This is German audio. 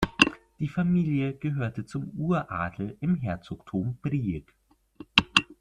Die Familie gehörte zum Uradel im Herzogtum Brieg.